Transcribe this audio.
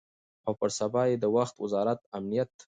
او پر سبا یې د وخت وزارت امنیت